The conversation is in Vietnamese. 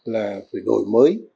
là đổi mới